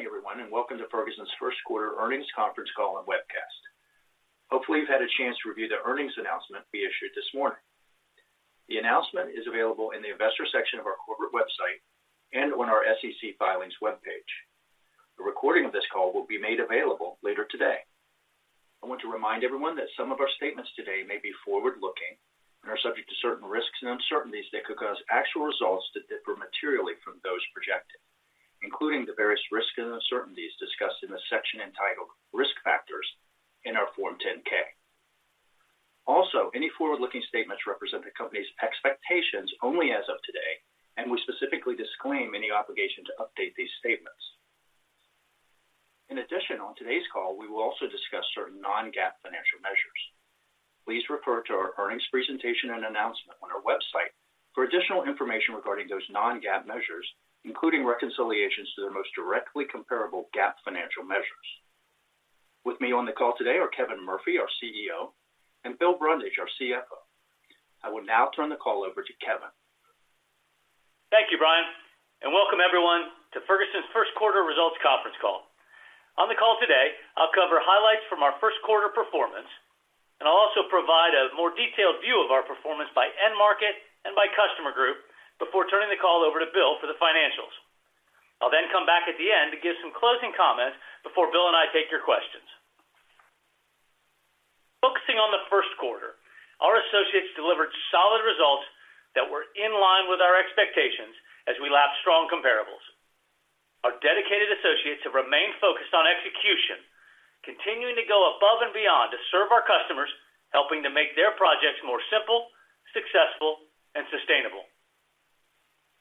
Good morning, everyone, and welcome to Ferguson's First Quarter earnings conference call and webcast. Hopefully, you've had a chance to review the earnings announcement we issued this morning. The announcement is available in the investor section of our corporate website and on our SEC Filings webpage. A recording of this call will be made available later today. I want to remind everyone that some of our statements today may be forward-looking and are subject to certain risks and uncertainties that could cause actual results to differ materially from those projected, including the various risks and uncertainties discussed in the section entitled Risk Factors in our Form 10-K. Also, any forward-looking statements represent the company's expectations only as of today, and we specifically disclaim any obligation to update these statements. In addition, on today's call, we will also discuss certain non-GAAP financial measures. Please refer to our earnings presentation and announcement on our website for additional information regarding those non-GAAP measures, including reconciliations to their most directly comparable GAAP financial measures. With me on the call today are Kevin Murphy, our CEO, and Bill Brundage, our CFO. I will now turn the call over to Kevin. Thank you, Brian, and welcome everyone to Ferguson's First Quarter results conference call. On the call today, I'll cover highlights from our First Quarter performance, and I'll also provide a more detailed view of our performance by end market and by customer group before turning the call over to Bill for the financials. I'll then come back at the end to give some closing comments before Bill and I take your questions. Focusing on the First Quarter, our associates delivered solid results that were in line with our expectations as we lapped strong comparables. Our dedicated associates have remained focused on execution, continuing to go above and beyond to serve our customers, helping to make their projects more simple, successful, and sustainable.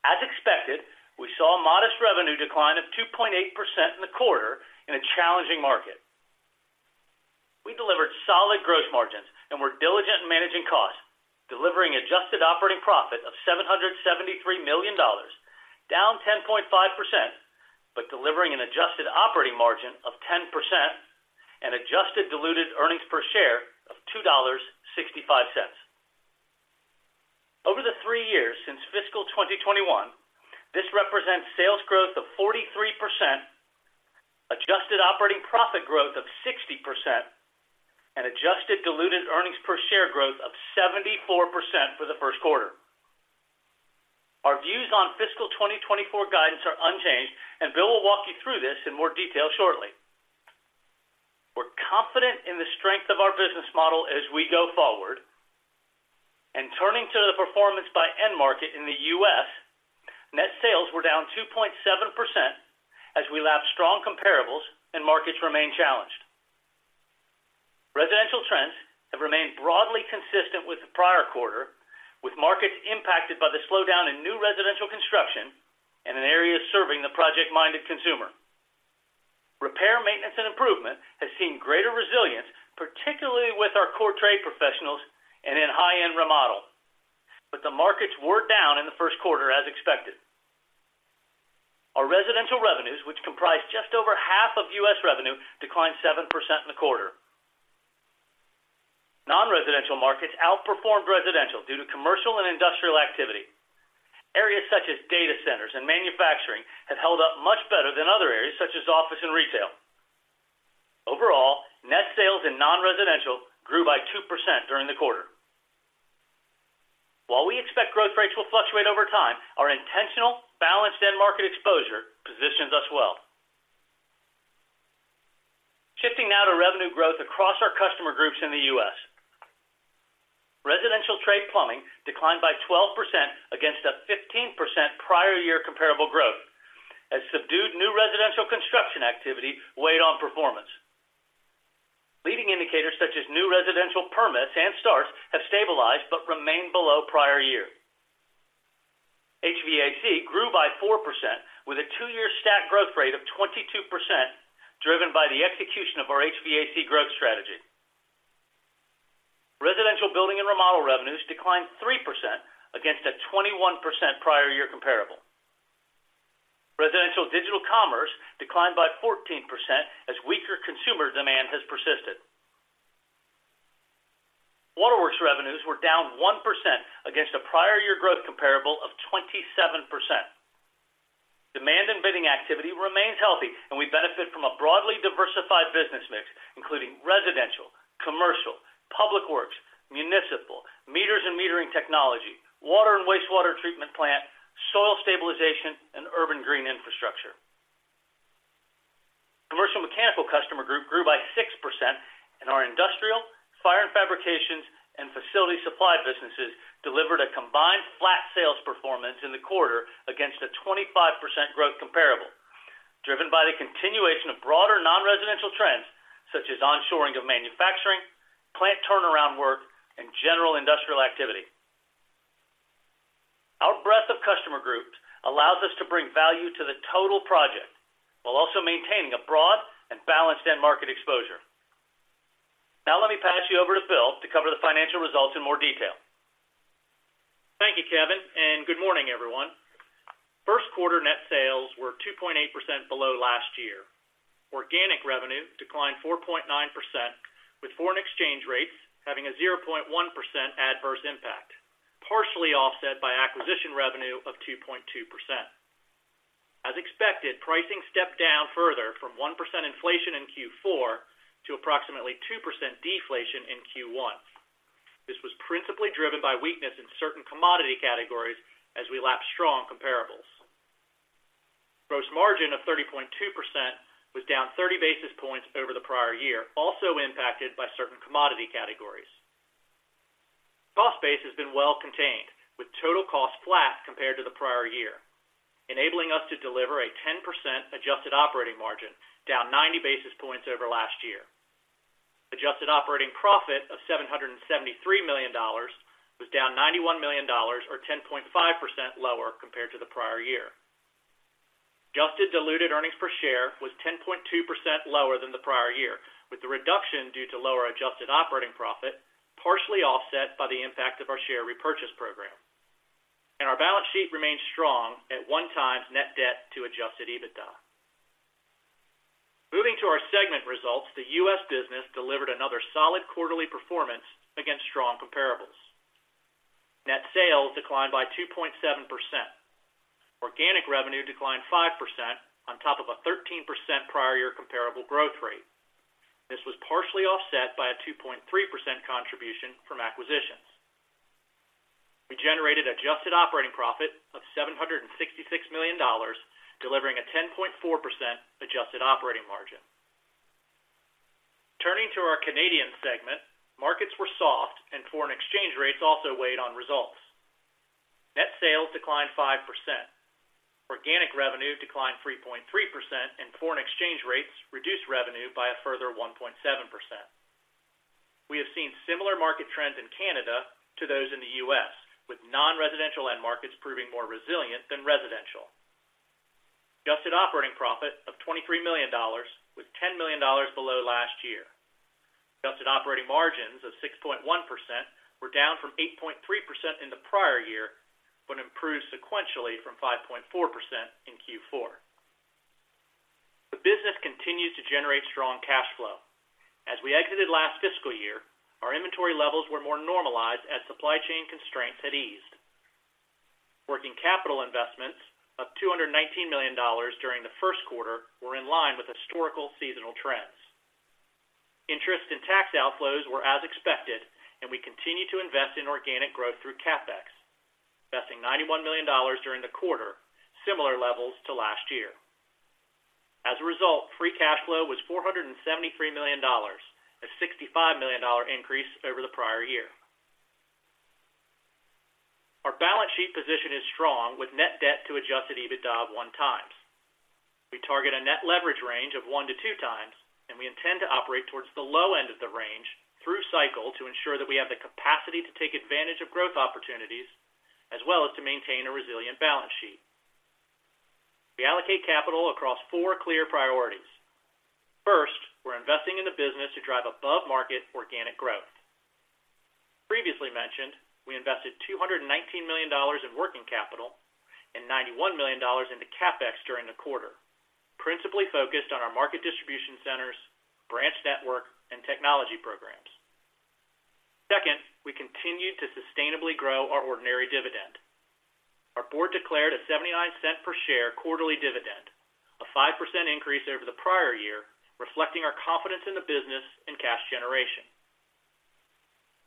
As expected, we saw a modest revenue decline of 2.8% in the quarter in a challenging market. We delivered solid gross margins and were diligent in managing costs, delivering Adjusted Operating Profit of $773 million, down 10.5%, but delivering an Adjusted Operating Margin of 10% and Adjusted Diluted Earnings Per Share of $2.65. Over the three years since fiscal 2021, this represents sales growth of 43%, Adjusted Operating Profit growth of 60%, and Adjusted Diluted Earnings Per Share growth of 74% for the First Quarter. Our views on fiscal 2024 guidance are unchanged, and Bill will walk you through this in more detail shortly. We're confident in the strength of our business model as we go forward. Turning to the performance by end market in the U.S., net sales were down 2.7% as we lapped strong comparables and markets remained challenged. Residential trends have remained broadly consistent with the prior quarter, with markets impacted by the slowdown in new residential construction and in areas serving the project-minded consumer. Repair, maintenance, and improvement has seen greater resilience, particularly with our core trade professionals and in high-end remodel. But the markets were down in the First Quarter as expected. Our residential revenues, which comprise just over half of U.S. revenue, declined 7% in the quarter. Non-residential markets outperformed residential due to commercial and industrial activity. Areas such as data centers and manufacturing have held up much better than other areas, such as office and retail. Overall, net sales in non-residential grew by 2% during the quarter. While we expect growth rates will fluctuate over time, our intentional, balanced end market exposure positions us well. Shifting now to revenue growth across our customer groups in the U.S. Residential trade plumbing declined by 12% against a 15% prior year comparable growth, as subdued new residential construction activity weighed on performance. Leading indicators such as new residential permits and starts have stabilized but remain below prior year. HVAC grew by 4%, with a two-year stack growth rate of 22%, driven by the execution of our HVAC growth strategy. Residential building and remodel revenues declined 3% against a 21% prior year comparable. Residential digital commerce declined by 14% as weaker consumer demand has persisted. Waterworks revenues were down 1% against a prior year growth comparable of 27%. Demand and bidding activity remains healthy, and we benefit from a broadly diversified business mix, including residential, commercial, public works, municipal, meters and metering technology, water and wastewater treatment plant, soil stabilization, and urban green infrastructure. Commercial mechanical customer group grew by 6%, and our industrial, fire and fabrications, and facility supply businesses delivered a combined flat sales performance in the quarter against a 25% growth comparable, driven by the continuation of broader non-residential trends, such as onshoring of manufacturing, plant turnaround work, and general industrial activity. Our breadth of customer groups allows us to bring value to the total project, while also maintaining a broad and balanced end market exposure. Now, let me pass you over to Bill to cover the financial results in more detail. Thank you, Kevin, and good morning, everyone. First quarter net sales were 2.8% below last year.... Organic revenue declined 4.9%, with foreign exchange rates having a 0.1% adverse impact, partially offset by acquisition revenue of 2.2%. As expected, pricing stepped down further from 1% inflation in Q4 to approximately 2% deflation in Q1. This was principally driven by weakness in certain commodity categories as we lap strong comparables. Gross margin of 30.2% was down 30 basis points over the prior year, also impacted by certain commodity categories. Cost base has been well contained, with total cost flat compared to the prior year, enabling us to deliver a 10% adjusted operating margin, down 90 basis points over last year. Adjusted operating profit of $773 million was down $91 million, or 10.5% lower compared to the prior year. Adjusted diluted earnings per share was 10.2% lower than the prior year, with the reduction due to lower Adjusted Operating Profit, partially offset by the impact of our share repurchase program. Our balance sheet remains strong at 1x net debt to Adjusted EBITDA. Moving to our segment results, the U.S. business delivered another solid quarterly performance against strong comparables. Net sales declined by 2.7%. Organic revenue declined 5% on top of a 13% prior year comparable growth rate. This was partially offset by a 2.3% contribution from acquisitions. We generated Adjusted Operating Profit of $766 million, delivering a 10.4% Adjusted Operating Margin. Turning to our Canadian segment, markets were soft and foreign exchange rates also weighed on results. Net sales declined 5%. Organic revenue declined 3.3%, and foreign exchange rates reduced revenue by a further 1.7%. We have seen similar market trends in Canada to those in the U.S., with non-residential end markets proving more resilient than residential. Adjusted operating profit of $23 million was $10 million below last year. Adjusted operating margins of 6.1% were down from 8.3% in the prior year, but improved sequentially from 5.4% in Q4. The business continued to generate strong cash flow. As we exited last fiscal year, our inventory levels were more normalized as supply chain constraints had eased. Working capital investments of $219 million during the First Quarter were in line with historical seasonal trends. Interest and tax outflows were as expected, and we continued to invest in organic growth through CapEx, investing $91 million during the quarter, similar levels to last year. As a result, Free Cash Flow was $473 million, a $65 million increase over the prior year. Our balance sheet position is strong, with net debt to Adjusted EBITDA of 1x. We target a net leverage range of 1x-2x, and we intend to operate towards the low end of the range through cycle to ensure that we have the capacity to take advantage of growth opportunities, as well as to maintain a resilient balance sheet. We allocate capital across four clear priorities. First, we're investing in the business to drive above-market organic growth. Previously mentioned, we invested $219 million in working capital and $91 million into CapEx during the quarter, principally focused on our market distribution centers, branch network, and technology programs. Second, we continued to sustainably grow our ordinary dividend. Our board declared a $0.79 per share quarterly dividend, a 5% increase over the prior year, reflecting our confidence in the business and cash generation.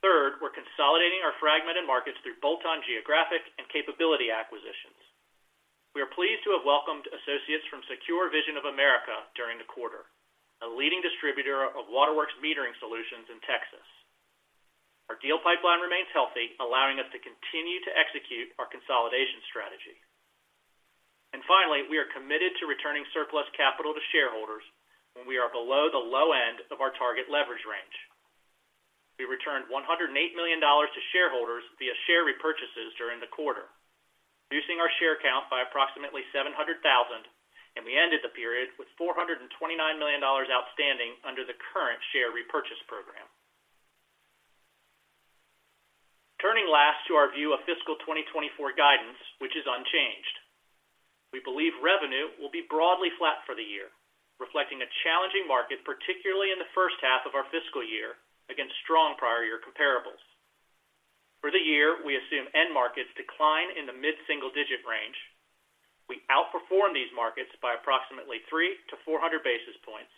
Third, we're consolidating our fragmented markets through bolt-on geographic and capability acquisitions. We are pleased to have welcomed associates from SecureVision of America during the quarter, a leading distributor of waterworks metering solutions in Texas. Our deal pipeline remains healthy, allowing us to continue to execute our consolidation strategy. And finally, we are committed to returning surplus capital to shareholders when we are below the low end of our target leverage range. We returned $108 million to shareholders via share repurchases during the quarter, reducing our share count by approximately 700,000, and we ended the period with $429 million outstanding under the current share repurchase program. Turning last to our view of fiscal 2024 guidance, which is unchanged. We believe revenue will be broadly flat for the year, reflecting a challenging market, particularly in the first half of our fiscal year, against strong prior year comparables. For the year, we assume end markets decline in the mid-single-digit range. We outperform these markets by approximately 300-400 basis points.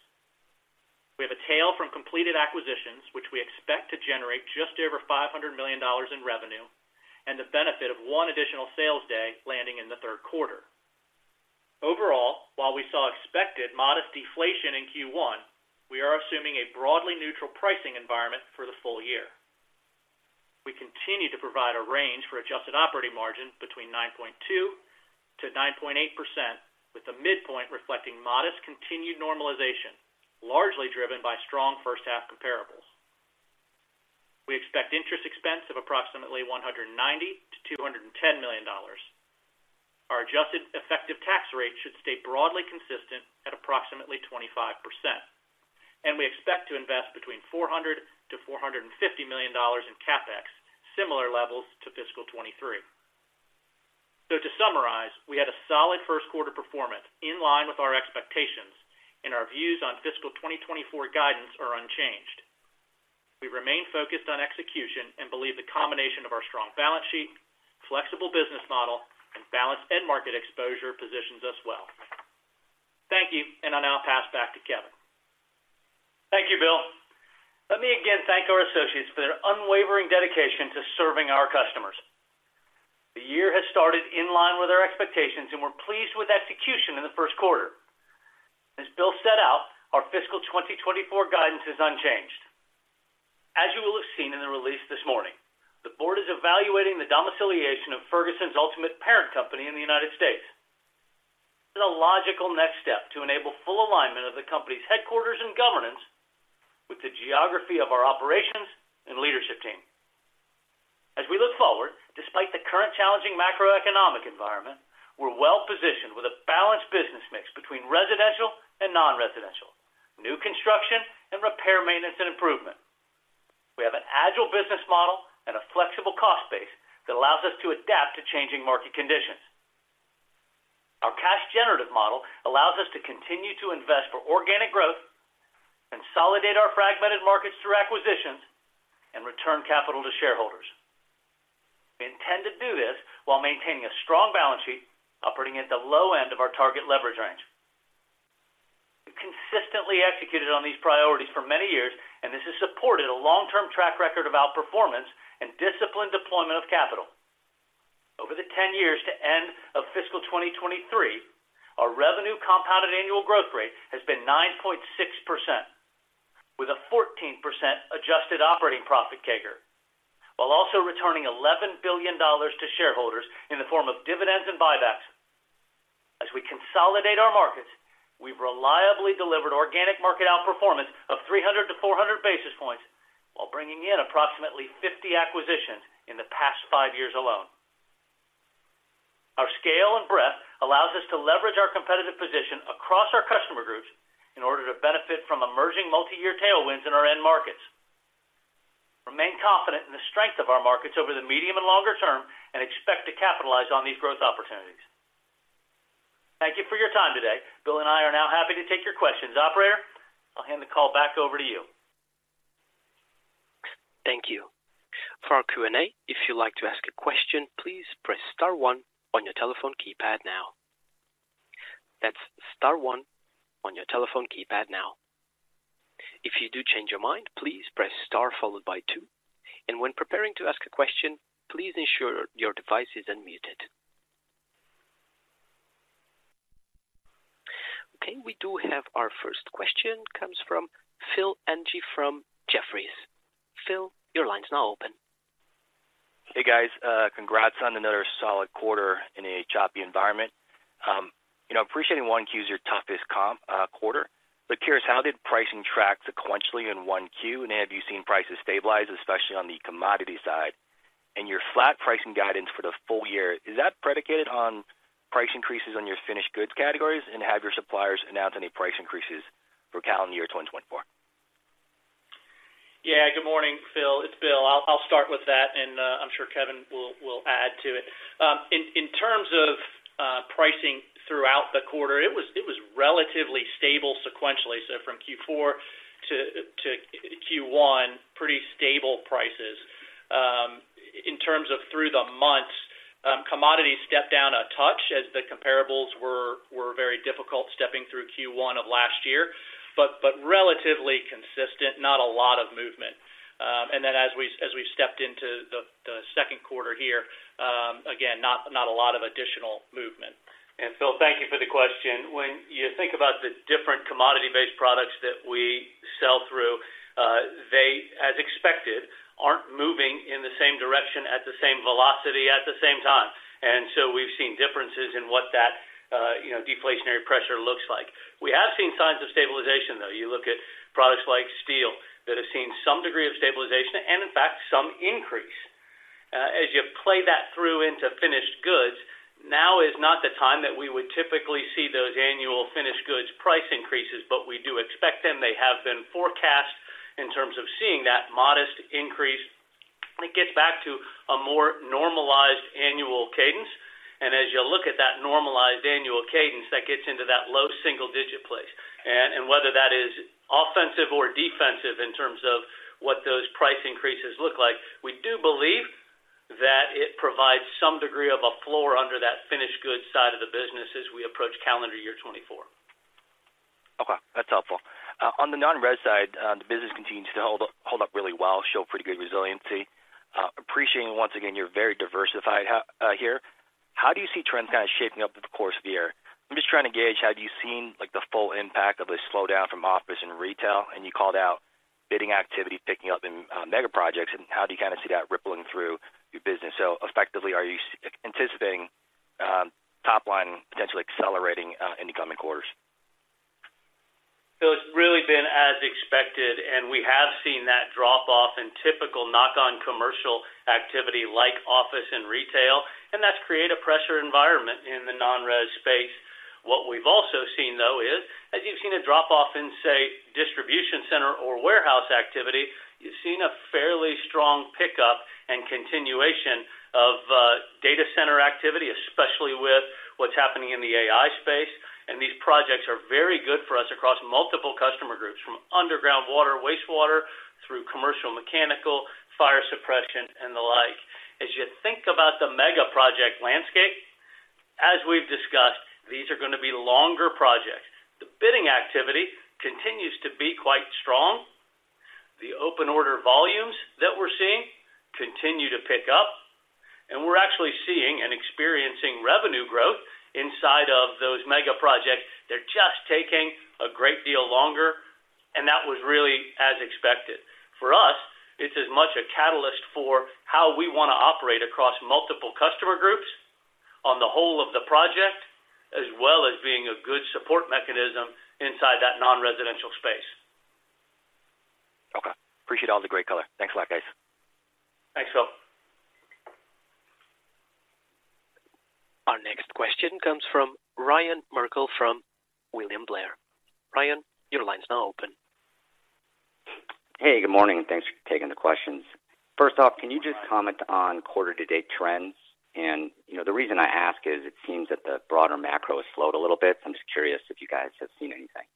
We have a tail from completed acquisitions, which we expect to generate just over $500 million in revenue, and the benefit of one additional sales day landing in the Third Quarter. Overall, while we saw expected modest deflation in Q1, we are assuming a broadly neutral pricing environment for the full year. We continue to provide a range for adjusted operating margin between 9.2%-9.8%, with the midpoint reflecting modest continued normalization, largely driven by strong first-half comparables. We expect interest expense of approximately $190 million-$210 million. Our adjusted effective tax rate should stay broadly consistent at approximately 25%, and we expect to invest between $400 million-$450 million in CapEx, similar levels to fiscal 2023. So to summarize, we had a solid First Quarter performance in line with our expectations, and our views on fiscal 2024 guidance are unchanged. We remain focused on execution and believe the combination of our strong balance sheet, flexible business model, and balanced end market exposure positions us well. Thank you, and I'll now pass back to Kevin. Thank you, Bill. Let me again thank our associates for their unwavering dedication to serving our customers. The year has started in line with our expectations, and we're pleased with execution in the First Quarter. As Bill set out, our fiscal 2024 guidance is unchanged. As you will have seen in the release this morning, the board is evaluating the domiciliation of Ferguson's ultimate parent company in the United States. This is a logical next step to enable full alignment of the company's headquarters and governance with the geography of our operations and leadership team. As we look forward, despite the current challenging macroeconomic environment, we're well positioned with a balanced business mix between residential and non-residential, new construction, and repair, maintenance, and improvement. We have an agile business model and a flexible cost base that allows us to adapt to changing market conditions. Our cash generative model allows us to continue to invest for organic growth, consolidate our fragmented markets through acquisitions, and return capital to shareholders. We intend to do this while maintaining a strong balance sheet, operating at the low end of our target leverage range. We've consistently executed on these priorities for many years, and this has supported a long-term track record of outperformance and disciplined deployment of capital. Over the 10 years to end of fiscal 2023, our revenue compounded annual growth rate has been 9.6%, with a 14% adjusted operating profit CAGR, while also returning $11 billion to shareholders in the form of dividends and buybacks. As we consolidate our markets, we've reliably delivered organic market outperformance of 300-400 basis points while bringing in approximately 50 acquisitions in the past 5 years alone. Our scale and breadth allows us to leverage our competitive position across our customer groups in order to benefit from emerging multi-year tailwinds in our end markets. Remain confident in the strength of our markets over the medium and longer term, and expect to capitalize on these growth opportunities. Thank you for your time today. Bill and I are now happy to take your questions. Operator, I'll hand the call back over to you. Thank you. For our Q&A, if you'd like to ask a question, please press star one on your telephone keypad now. That's star one on your telephone keypad now. If you do change your mind, please press star followed by two, and when preparing to ask a question, please ensure your device is unmuted. Okay, we do have our first question, comes from Phil Ng from Jefferies. Phil, your line is now open. Hey, guys, congrats on another solid quarter in a choppy environment. You know, appreciating 1Q's your toughest comp quarter, but curious, how did pricing track sequentially in 1Q, and have you seen prices stabilize, especially on the commodity side? And your flat pricing guidance for the full year, is that predicated on price increases on your finished goods categories, and have your suppliers announced any price increases for calendar year 2024? Yeah, good morning, Phil. It's Bill. I'll start with that, and I'm sure Kevin will add to it. In terms of pricing throughout the quarter, it was relatively stable sequentially. So from Q4 to Q1, pretty stable prices. In terms of through the months, commodities stepped down a touch as the comparables were very difficult stepping through Q1 of last year, but relatively consistent, not a lot of movement. And then as we stepped into the Second Quarter here, again, not a lot of additional movement. Phil, thank you for the question. When you think about the different commodity-based products that we sell through, they, as expected, aren't moving in the same direction at the same velocity at the same time. And so we've seen differences in what that, you know, deflationary pressure looks like. We have seen signs of stabilization, though. You look at products like steel, that have seen some degree of stabilization, and in fact, some increase. As you play that through into finished goods, now is not the time that we would typically see those annual finished goods price increases, but we do expect them. They have been forecast in terms of seeing that modest increase. It gets back to a more normalized annual cadence, and as you look at that normalized annual cadence, that gets into that low single-digit place. Whether that is offensive or defensive in terms of what those price increases look like, we do believe that it provides some degree of a floor under that finished goods side of the business as we approach calendar year 2024. Okay, that's helpful. On the non-res side, the business continues to hold up, hold up really well, show pretty good resiliency. Appreciating once again, you're very diversified here. How do you see trends kind of shaping up through the course of the year? I'm just trying to gauge, have you seen, like, the full impact of a slowdown from office and retail, and you called out bidding activity picking up in mega projects, and how do you kind of see that rippling through your business? So effectively, are you anticipating top line potentially accelerating in the coming quarters? So it's really been as expected, and we have seen that drop off in typical knock-on commercial activity like office and retail, and that's created a pressure environment in the non-res space. ...What we've also seen, though, is as you've seen a drop off in, say, distribution center or warehouse activity, you've seen a fairly strong pickup and continuation of, data center activity, especially with what's happening in the AI space. And these projects are very good for us across multiple customer groups, from underground water, wastewater, through commercial, mechanical, fire suppression, and the like. As you think about the mega project landscape, as we've discussed, these are going to be longer projects. The bidding activity continues to be quite strong. The open order volumes that we're seeing continue to pick up, and we're actually seeing and experiencing revenue growth inside of those mega projects. They're just taking a great deal longer, and that was really as expected. For us, it's as much a catalyst for how we want to operate across multiple customer groups on the whole of the project, as well as being a good support mechanism inside that non-residential space. Okay. Appreciate all the great color. Thanks a lot, guys. Thanks, Phil. Our next question comes from Ryan Merkel from William Blair. Ryan, your line is now open. Hey, good morning, and thanks for taking the questions. First off, can you just comment on quarter-to-date trends? You know, the reason I ask is it seems that the broader macro has slowed a little bit, so I'm just curious if you guys have seen anything.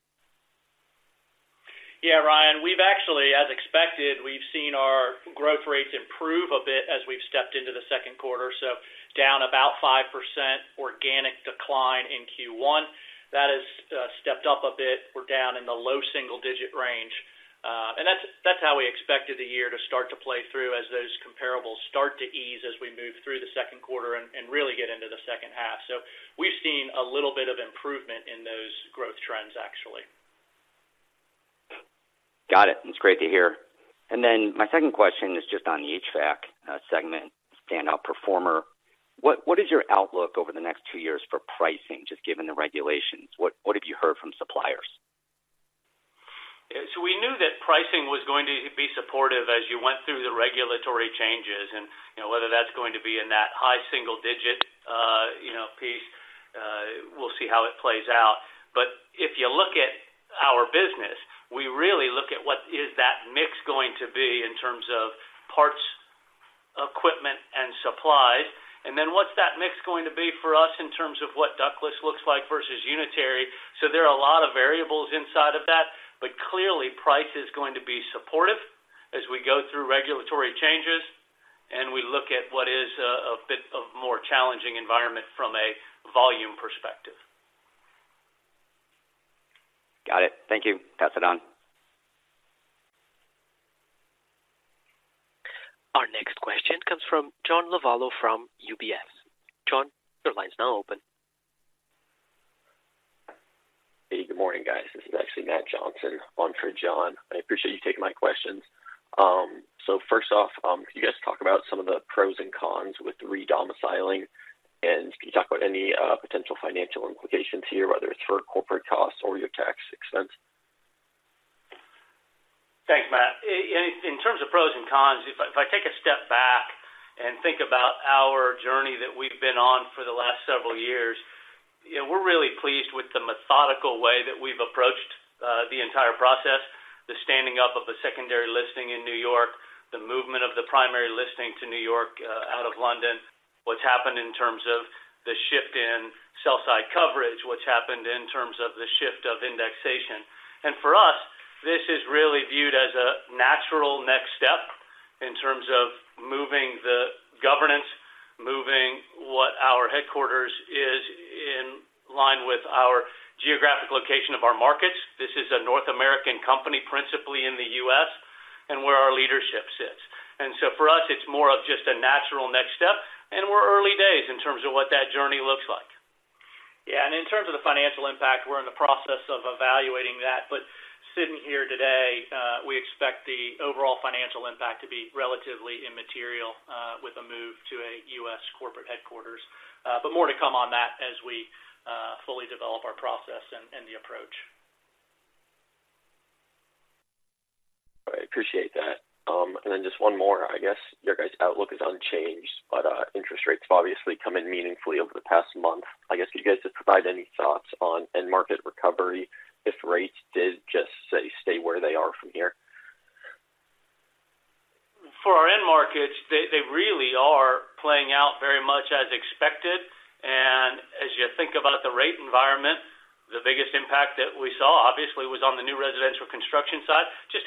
Yeah, Ryan, we've actually, as expected, we've seen our growth rates improve a bit as we've stepped into the Second Quarter. So down about 5% organic decline in Q1. That has stepped up a bit. We're down in the low single-digit range, and that's how we expected the year to start to play through as those comparables start to ease as we move through the Second Quarter and really get into the second half. So we've seen a little bit of improvement in those growth trends, actually. Got it. It's great to hear. And then my second question is just on the HVAC segment, standout performer. What is your outlook over the next two years for pricing, just given the regulations? What have you heard from suppliers? So we knew that pricing was going to be supportive as you went through the regulatory changes, and, you know, whether that's going to be in that high single digit, you know, piece, we'll see how it plays out. But if you look at our business, we really look at what is that mix going to be in terms of parts, equipment, and supplies, and then what's that mix going to be for us in terms of what ductless looks like versus unitary. So there are a lot of variables inside of that, but clearly, price is going to be supportive as we go through regulatory changes, and we look at what is, a bit more challenging environment from a volume perspective. Got it. Thank you. Pass it on. Our next question comes from John Lovallo from UBS. John, your line is now open. Hey, good morning, guys. This is actually Matt Johnson on for John. I appreciate you taking my questions. So first off, can you guys talk about some of the pros and cons with the re-domiciling, and can you talk about any potential financial implications here, whether it's for corporate costs or your tax expense? Thanks, Matt. In terms of pros and cons, if I take a step back and think about our journey that we've been on for the last several years, you know, we're really pleased with the methodical way that we've approached, the entire process, the standing up of a secondary listing in New York, the movement of the primary listing to New York, out of London, what's happened in terms of the shift in sell-side coverage, what's happened in terms of the shift of indexation. And for us, this is really viewed as a natural next step in terms of moving the governance, moving what our headquarters is in line with our geographic location of our markets. This is a North American company, principally in the U.S., and where our leadership sits. And so for us, it's more of just a natural next step, and we're early days in terms of what that journey looks like. Yeah, and in terms of the financial impact, we're in the process of evaluating that. But sitting here today, we expect the overall financial impact to be relatively immaterial, with a move to a U.S. corporate headquarters. But more to come on that as we fully develop our process and the approach. I appreciate that. And then just one more. I guess, your guys' outlook is unchanged, but, interest rates have obviously come in meaningfully over the past month. I guess, could you guys just provide any thoughts on end market recovery if rates did just, say, stay where they are from here? For our end markets, they really are playing out very much as expected. And as you think about the rate environment, the biggest impact that we saw, obviously, was on the new residential construction side. Just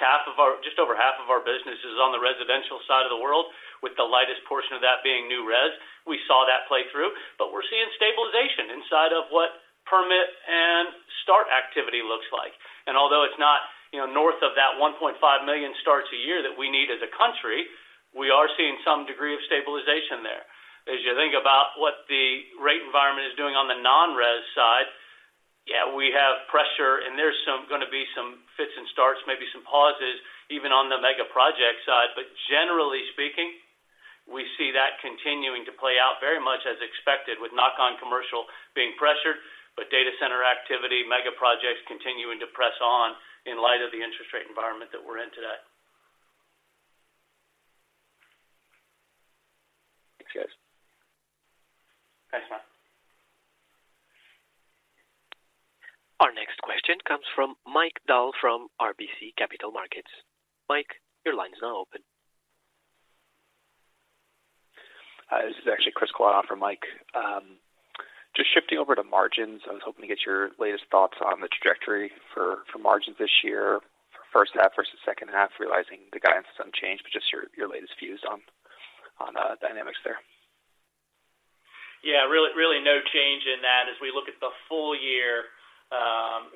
over half of our business is on the residential side of the world, with the lightest portion of that being new res. We saw that play through, but we're seeing stabilization inside of what permit and start activity looks like. And although it's not, you know, north of that 1.5 million starts a year that we need as a country, we are seeing some degree of stabilization there. As you think about what the rate environment is doing on the non-res side, yeah, we have pressure, and there's some going to be some fits and starts, maybe some pauses, even on the mega project side. Generally speaking, we see that continuing to play out very much as expected, with knock-on commercial being pressured, but data center activity, mega projects continuing to press on in light of the interest rate environment that we're in today. Thanks, guys. Thanks, Matt. Our next question comes from Mike Dahl from RBC Capital Markets. Mike, your line is now open. Hi, this is actually Chris Quad on for Mike. Just shifting over to margins, I was hoping to get your latest thoughts on the trajectory for, for margins this year, for first half versus second half, realizing the guidance is unchanged, but just your, your latest views on, on dynamics there. Yeah, really, really no change in that. As we look at the full year,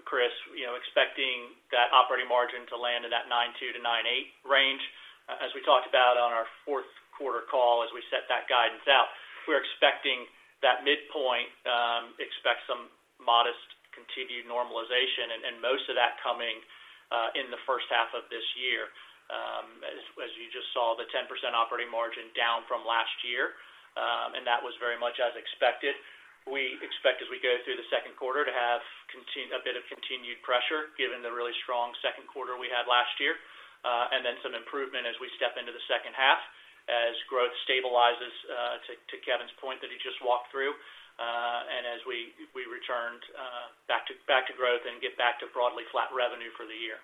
Chris, you know, expecting that operating margin to land in that 9.2%-9.8% range. As we talked about on our fourth quarter call, as we set that guidance out, we're expecting that midpoint, expect some modest continued normalization, and, and most of that coming in the first half of this year. As, as you just saw, the 10% operating margin down from last year, and that was very much as expected. We expect, as we go through the Second Quarter, to have a bit of continued pressure, given the really strong Second Quarter we had last year, and then some improvement as we step into the second half, as growth stabilizes, to Kevin's point that he just walked through, and as we returned back to back to growth and get back to broadly flat revenue for the year.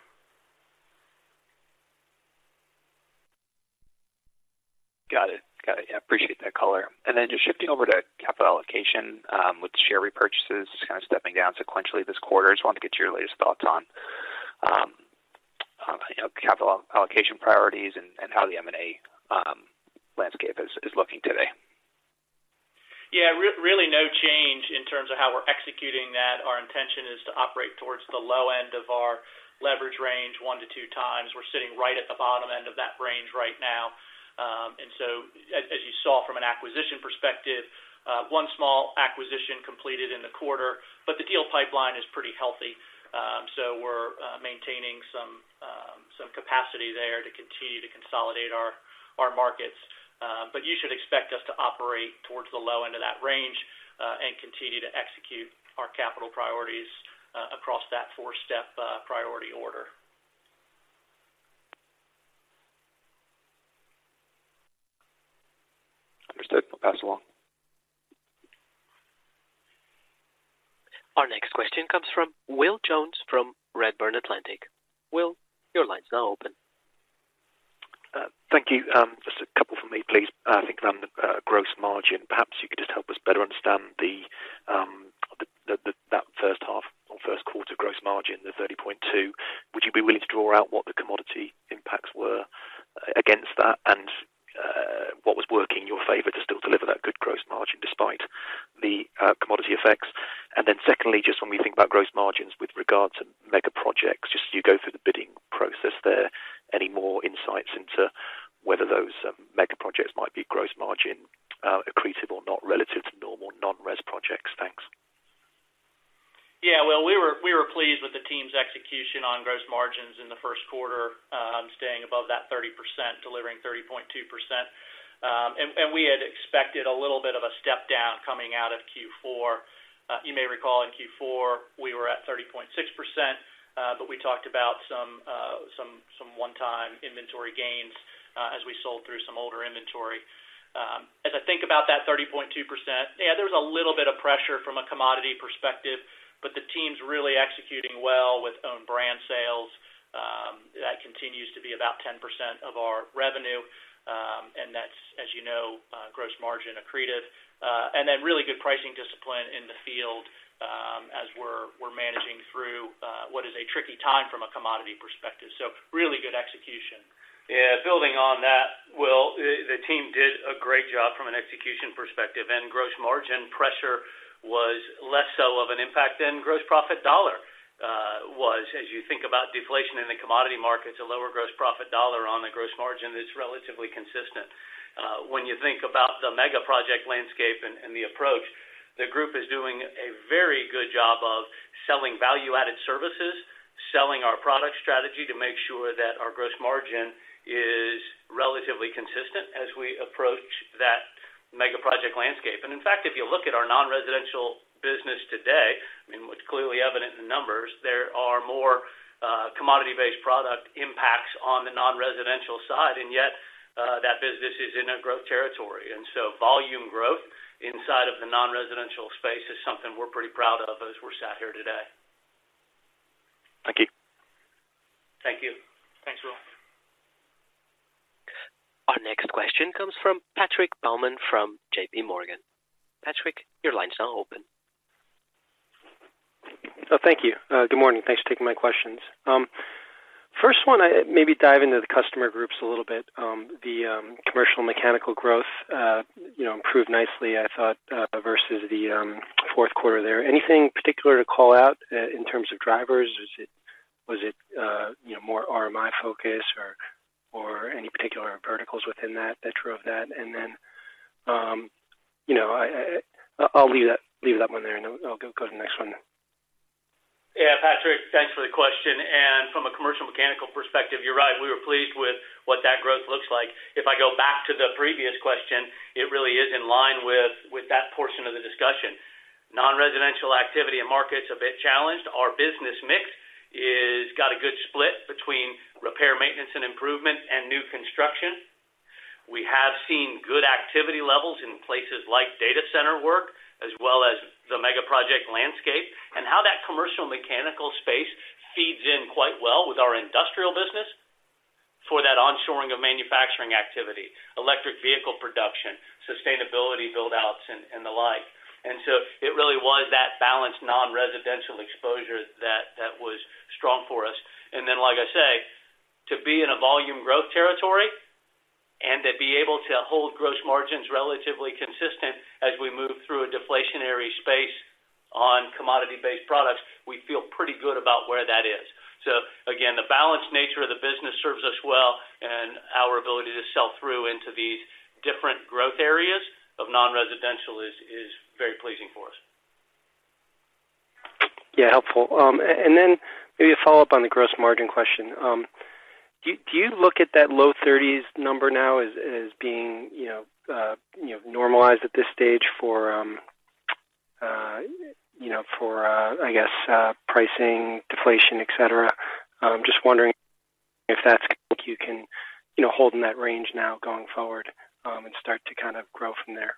Got it. Got it. Yeah, appreciate that color. And then just shifting over to capital allocation, with share repurchases kind of stepping down sequentially this quarter. Just wanted to get your latest thoughts on, you know, capital allocation priorities and how the M&A landscape is looking today. Yeah, really no change in terms of how we're executing that. Our intention is to operate towards the low end of our leverage range, 1x-2x. We're sitting right at the bottom end of that range right now. And so as you saw from an acquisition perspective, one small acquisition completed in the quarter, but the deal pipeline is pretty healthy. So we're maintaining some capacity there to continue to consolidate our markets. But you should expect us to operate towards the low end of that range, and continue to execute our capital priorities, across that four-step priority order. Understood. I'll pass along. Our next question comes from Will Jones from Redburn Atlantic. Will, your line is now open. Thank you. Just a couple from me, please. I think on the gross margin, perhaps you could just help us better understand the first half or first quarter gross margin, the 30.2%. Would you be willing to draw out what the commodity impacts were against that, and what was working in your favor to still deliver that good gross margin despite the commodity effects? And then secondly, just when we think about gross margins with regards to mega projects, just as you go through the bidding process there, any more insights into whether those mega projects might be gross margin accretive or not, relative to normal non-res projects? Thanks. Yeah, Will, we were pleased with the team's execution on gross margins in the First Quarter, staying above that 30%, delivering 30.2%. And we had expected a little bit of a step down coming out of Q4. You may recall in Q4, we were at 30.6%, but we talked about some one-time inventory gains as we sold through some older inventory. As I think about that 30.2%, yeah, there's a little bit of pressure from a commodity perspective, but the team's really executing well with own brand sales. That continues to be about 10% of our revenue, and that's, as you know, gross margin accretive. And then really good pricing discipline in the field, as we're managing through what is a tricky time from a commodity perspective. So really good execution. Yeah, building on that, Will, the team did a great job from an execution perspective, and gross margin pressure was less so of an impact than gross profit dollar was. As you think about deflation in the commodity markets, a lower gross profit dollar on a gross margin is relatively consistent. When you think about the mega project landscape and the approach, the group is doing a very good job of selling value-added services, selling our product strategy to make sure that our gross margin is relatively consistent as we approach that mega project landscape. And in fact, if you look at our non-residential business today, I mean, what's clearly evident in the numbers, there are more commodity-based product impacts on the non-residential side, and yet that business is in a growth territory. And so volume growth inside of the non-residential space is something we're pretty proud of as we're sat here today. Thank you. Thank you. Thanks, Will. Our next question comes from Patrick Baumann from JP Morgan. Patrick, your line is now open. Oh, thank you. Good morning. Thanks for taking my questions. First one, I maybe dive into the customer groups a little bit. The commercial mechanical growth, you know, improved nicely, I thought, versus the fourth quarter there. Anything particular to call out in terms of drivers? Is it- was it, you know, more RMI focus or, or any particular verticals within that, that drove that? And then, you know, I'll leave that, leave that one there, and I'll go to the next one then. Yeah, Patrick, thanks for the question. And from a commercial mechanical perspective, you're right, we were pleased with what that growth looks like. If I go back to the previous question, it really is in line with that portion of the discussion. non-residential activity and market's a bit challenged. Our business mix is, got a good split between repair, maintenance, and improvement, and new construction. We have seen good activity levels in places like data center work, as well as the mega project landscape, and how that commercial mechanical space feeds in quite well with our industrial business for that onshoring of manufacturing activity, electric vehicle production, sustainability buildouts, and, and the like. And so it really was that balanced non-residential exposure that, that was strong for us. And then, like I say, to be in a volume growth territory and to be able to hold gross margins relatively consistent as we move through a deflationary space on commodity-based products, we feel pretty good about where that is. So again, the balanced nature of the business serves us well, and our ability to sell through into these different growth areas of non-residential is very pleasing for us. Yeah, helpful. And then maybe a follow-up on the gross margin question. Do you look at that low thirties number now as being, you know, you know, normalized at this stage for, you know, for, I guess, pricing, deflation, et cetera? Just wondering if that's something you can, you know, hold in that range now going forward, and start to kind of grow from there.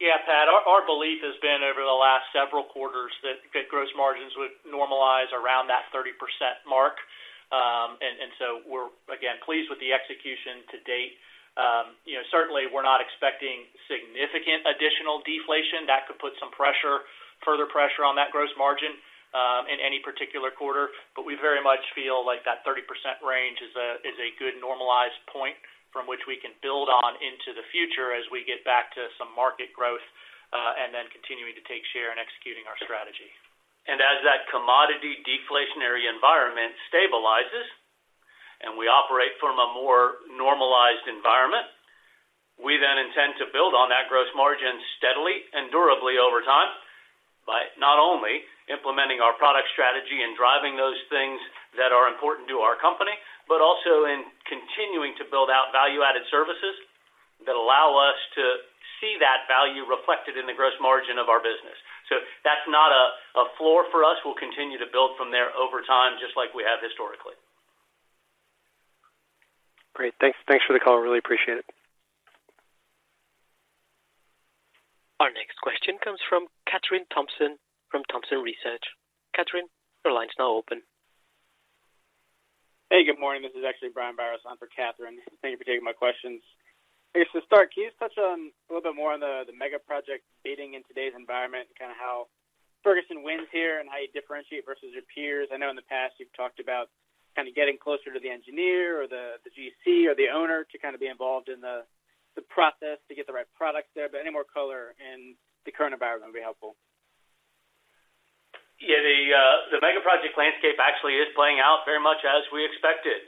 Yeah, Pat, our belief has been over the last several quarters that gross margins would normalize around that 30% mark. And so we're, again, pleased with the execution to date. You know, certainly, we're not expecting significant additional deflation that could put some further pressure on that gross margin in any particular quarter, but we very much feel like that 30% range is a good normalized point from which we can build on into the future as we get back to some market growth, and then continuing to take share and executing our strategy. As that commodity deflationary environment stabilizes and we operate from a more normalized environment, we then intend to build on that gross margin steadily and durably over time, by not only implementing our product strategy and driving those things that are important to our company, but also in continuing to build out value-added services that allow us to see that value reflected in the gross margin of our business. That's not a floor for us. We'll continue to build from there over time, just like we have historically. Great. Thanks. Thanks for the call. Really appreciate it. Our next question comes from Kathryn Thompson from Thompson Research. Kathryn, your line's now open. Hey, good morning. This is actually Brian Biros on for Kathryn. Thank you for taking my questions. I guess to start, can you touch on a little bit more on the, the mega project bidding in today's environment and kind of how Ferguson wins here and how you differentiate versus your peers? I know in the past, you've talked about kind of getting closer to the engineer or the, the GC or the owner to kind of be involved in the, the process to get the right products there, but any more color in the current environment would be helpful. Yeah, the mega project landscape actually is playing out very much as we expected.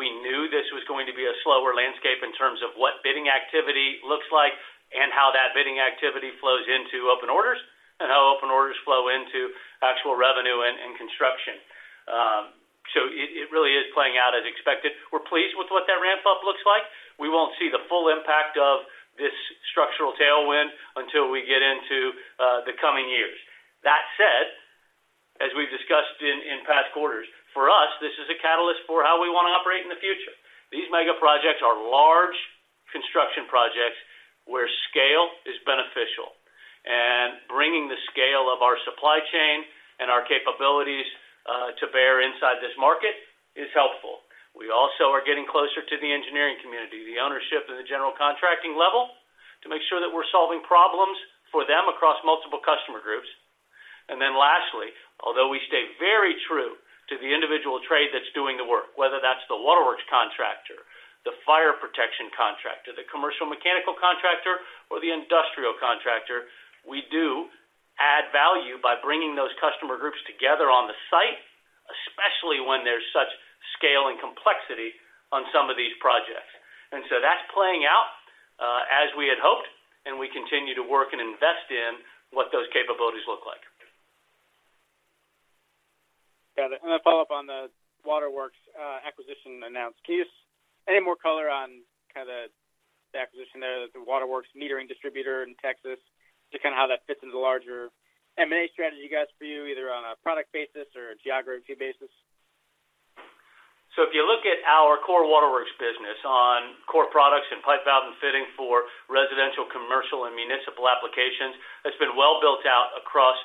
We knew this was going to be a slower landscape in terms of what bidding activity looks like and how that bidding activity flows into open orders, and how open orders flow into actual revenue and construction. So it really is playing out as expected. We're pleased with what that ramp-up looks like. We won't see the full impact of this structural tailwind until we get into the coming years. That said, as we've discussed in past quarters, for us, this is a catalyst for how we want to operate in the future. These mega projects are large construction projects where scale is beneficial, and bringing the scale of our supply chain and our capabilities to bear inside this market is helpful. We also are getting closer to the engineering community, the ownership, and the general contracting level, to make sure that we're solving problems for them across multiple customer groups. And then lastly, although we stay very true to the individual trade that's doing the work, whether that's the waterworks contractor, the fire protection contractor, the commercial mechanical contractor, or the industrial contractor, we do add value by bringing those customer groups together on the site, especially when there's such scale and complexity on some of these projects. And so that's playing out, as we had hoped, and we continue to work and invest in what those capabilities look like. Got it. And a follow-up on the waterworks acquisition announced. Can you give us any more color on kind of the acquisition there, the waterworks metering distributor in Texas, just kind of how that fits into the larger M&A strategy you guys view, either on a product basis or a geography basis? So if you look at our core waterworks business on core products and pipes, valves, and fittings for residential, commercial, and municipal applications, that's been well built out across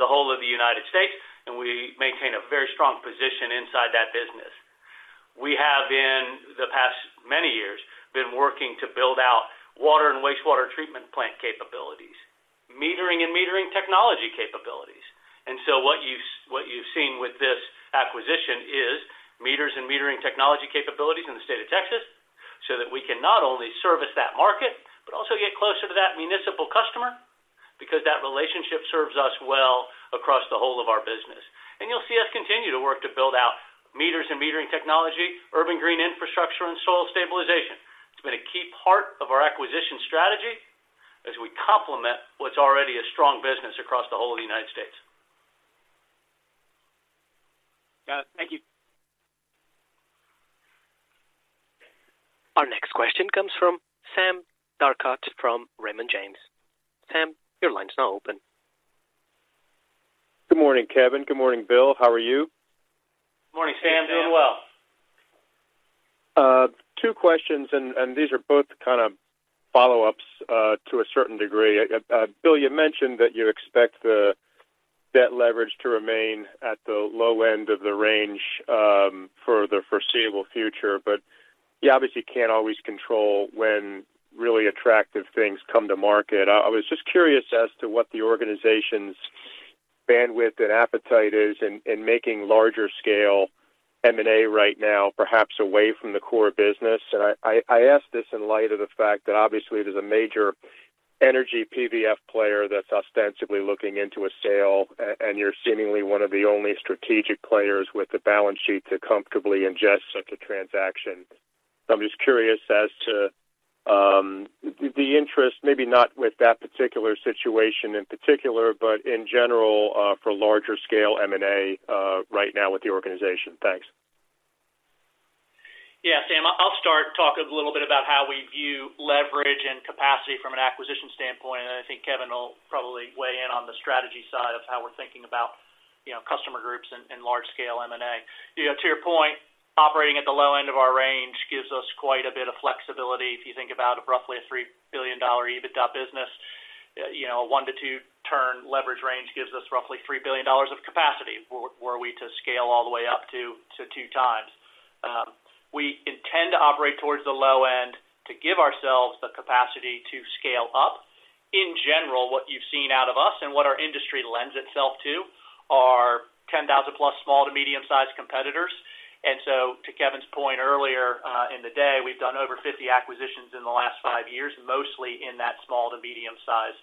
the whole of the United States, and we maintain a very strong position inside that business. We have, in the past many years, been working to build out water and wastewater treatment plant capabilities, metering and metering technology capabilities. And so what you've, what you've seen with this acquisition is meters and metering technology capabilities in the state of Texas, so that we can not only service that market, but also get closer to that municipal customer, because that relationship serves us well across the whole of our business. And you'll see us continue to work to build out meters and metering technology, urban green infrastructure, and soil stabilization. It's been a key part of our acquisition strategy as we complement what's already a strong business across the whole of the United States. Got it. Thank you. Next question comes from Sam Darkat from Raymond James. Sam, your line is now open. Good morning, Kevin. Good morning, Bill. How are you? Good morning, Sam. Doing well. Two questions, and these are both kind of follow-ups to a certain degree. Bill, you mentioned that you expect the debt leverage to remain at the low end of the range for the foreseeable future, but you obviously can't always control when really attractive things come to market. I was just curious as to what the organization's bandwidth and appetite is in making larger scale M&A right now, perhaps away from the core business. I ask this in light of the fact that obviously there's a major energy PVF player that's ostensibly looking into a sale, and you're seemingly one of the only strategic players with the balance sheet to comfortably ingest such a transaction. I'm just curious as to the interest, maybe not with that particular situation in particular, but in general, for larger scale M&A right now with the organization. Thanks. Yeah, Sam, I'll start to talk a little bit about how we view leverage and capacity from an acquisition standpoint, and I think Kevin will probably weigh in on the strategy side of how we're thinking about, you know, customer groups and, and large scale M&A. You know, to your point, operating at the low end of our range gives us quite a bit of flexibility. If you think about roughly a $3 billion EBITDA business, you know, 1-2 turn leverage range gives us roughly $3 billion of capacity, where we to scale all the way up to, to 2 times. We intend to operate towards the low end to give ourselves the capacity to scale up. In general, what you've seen out of us and what our industry lends itself to are 10,000+ small to medium-sized competitors. And so to Kevin's point earlier, in the day, we've done over 50 acquisitions in the last five years, mostly in that small to medium size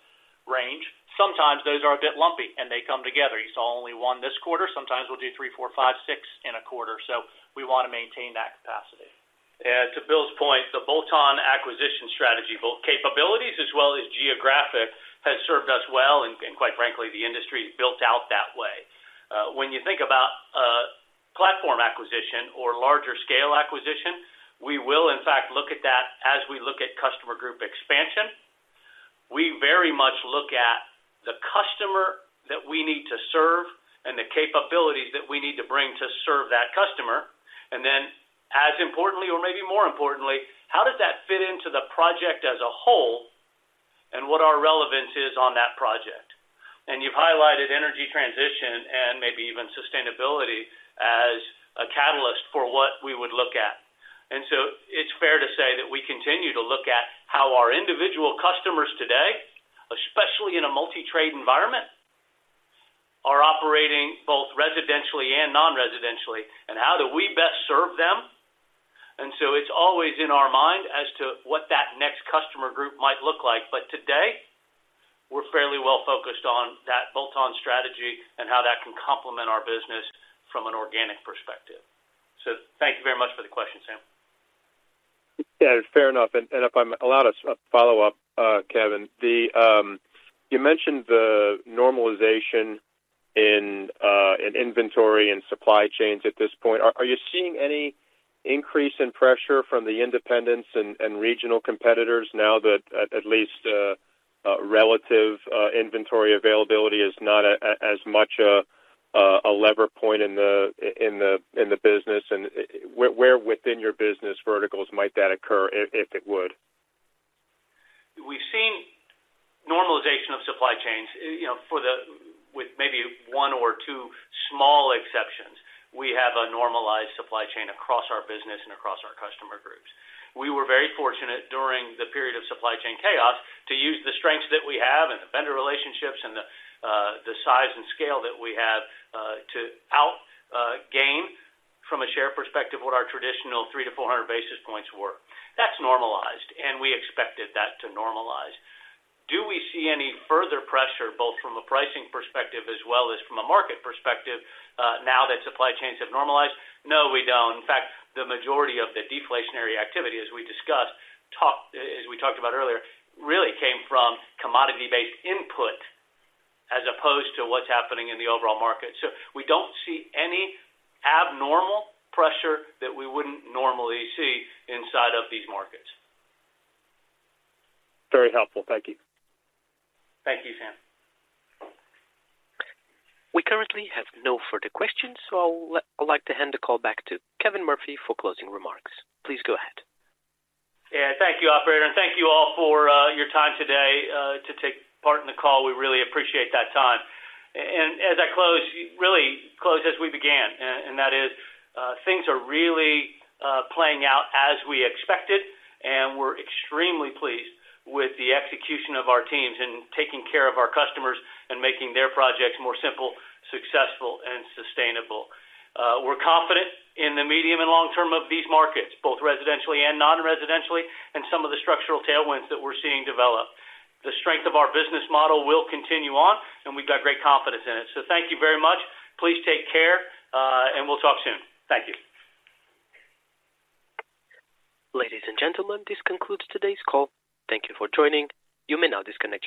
range. Sometimes those are a bit lumpy, and they come together. You saw only one this quarter. Sometimes we'll do three, four, five, six in a quarter, so we want to maintain that capacity. Yeah, to Bill's point, the bolt-on acquisition strategy, both capabilities as well as geographic, has served us well, and, and quite frankly, the industry is built out that way. When you think about, platform acquisition or larger scale acquisition, we will, in fact, look at that as we look at customer group expansion. We very much look at the customer that we need to serve and the capabilities that we need to bring to serve that customer, and then, as importantly or maybe more importantly, how does that fit into the project as a whole and what our relevance is on that project? And you've highlighted energy transition and maybe even sustainability as a catalyst for what we would look at. And so it's fair to say that we continue to look at how our individual customers today, especially in a multi-trade environment, are operating both residentially and non-residentially, and how do we best serve them? And so it's always in our mind as to what that next customer group might look like. But today, we're fairly well focused on that bolt-on strategy and how that can complement our business from an organic perspective. So thank you very much for the question, Sam. Yeah, fair enough. If I'm allowed a follow-up, Kevin, you mentioned the normalization in inventory and supply chains at this point. Are you seeing any increase in pressure from the independents and regional competitors now that at least relative inventory availability is not a lever point in the business? And where within your business verticals might that occur, if it would? We've seen normalization of supply chains, you know, with maybe one or two small exceptions. We have a normalized supply chain across our business and across our customer groups. We were very fortunate during the period of supply chain chaos to use the strengths that we have and the vendor relationships and the size and scale that we have to outgain from a share perspective what our traditional 300-400 basis points were. That's normalized, and we expected that to normalize. Do we see any further pressure, both from a pricing perspective as well as from a market perspective, now that supply chains have normalized? No, we don't. In fact, the majority of the deflationary activity, as we discussed, as we talked about earlier, really came from commodity-based input as opposed to what's happening in the overall market. So we don't see any abnormal pressure that we wouldn't normally see inside of these markets. Very helpful. Thank you. Thank you, Sam. We currently have no further questions, so I'll let - I'd like to hand the call back to Kevin Murphy for closing remarks. Please go ahead. Yeah, thank you, operator, and thank you all for your time today to take part in the call. We really appreciate that time. And as I close, really close as we began, and that is, things are really playing out as we expected, and we're extremely pleased with the execution of our teams in taking care of our customers and making their projects more simple, successful, and sustainable. We're confident in the medium and long term of these markets, both residentially and non-residentially, and some of the structural tailwinds that we're seeing develop. The strength of our business model will continue on, and we've got great confidence in it. So thank you very much. Please take care, and we'll talk soon. Thank you. Ladies and gentlemen, this concludes today's call. Thank you for joining. You may now disconnect your lines.